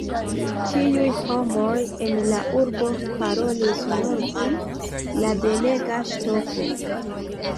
Ĉiuj homoj en la urbo parolis nur pri la belega ŝtofo.